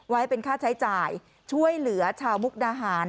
ไว้เป็นค่าใช้จ่ายช่วยเหลือชาวมุกดาหาร